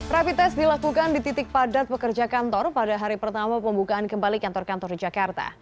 rapi tes dilakukan di titik padat pekerja kantor pada hari pertama pembukaan kembali kantor kantor jakarta